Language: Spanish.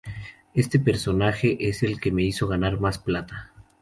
Ese personaje es el que me hizo ganar más plata.